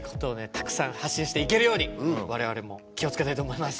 たくさん発信していけるように我々も気を付けたいと思います。